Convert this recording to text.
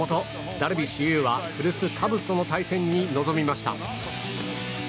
ダルビッシュ有は古巣カブスとの対戦に臨みました。